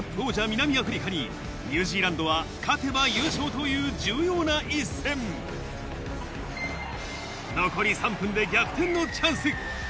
南アフリカにニュージーランドは勝てば優勝という重要な一戦で逆転のチャンス